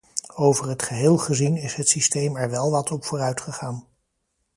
Over het geheel gezien is het systeem er wel wat op vooruitgegaan.